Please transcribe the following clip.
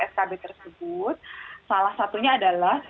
skb tersebut salah satunya adalah